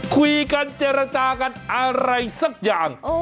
คุยกันเจรจากันอะไรสักอย่าง